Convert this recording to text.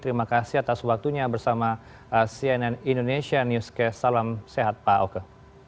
terima kasih atas waktunya bersama cnn indonesia newscast salam sehat pak oke